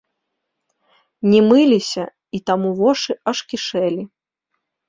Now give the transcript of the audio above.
Не мыліся, і таму вошы аж кішэлі.